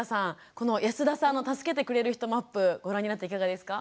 この安田さんの「助けてくれる人マップ」ご覧になっていかがですか？